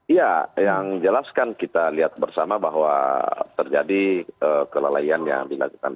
iya yang jelaskan kita lihat bersama bahwa terjadi kelalaian yang dilakukan